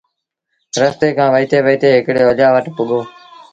رستي کآݩ وهيٚتي وهيٚتي هڪڙي اوليآ وٽ پُڳو